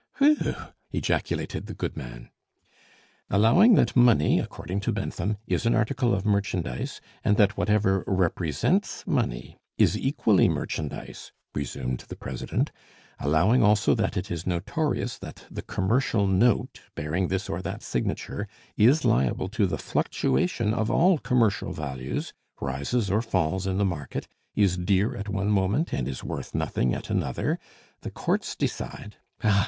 "Whew!" ejaculated the goodman. "Allowing that money, according to Bentham, is an article of merchandise, and that whatever represents money is equally merchandise," resumed the president; "allowing also that it is notorious that the commercial note, bearing this or that signature, is liable to the fluctuation of all commercial values, rises or falls in the market, is dear at one moment, and is worth nothing at another, the courts decide ah!